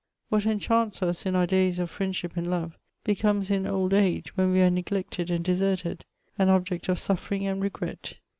What enchants us in our days of friendship and love, becomes in old age, when we are neglected and deserted, an object of suffering and regret.